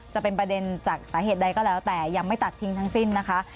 จะเป็นประเด็นจากสาเหตุใดก็แล้วแต่ยังไม่ตัดทิ้งทั้งสิ้นนะคะ